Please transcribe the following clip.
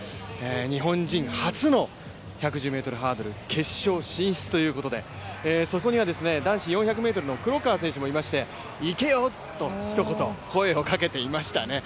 日本人初の１１０ｍハードル決勝進出ということでそこには男子４００ｍの黒川選手もいまして、いけよ！とひと言、声をかけていましたね。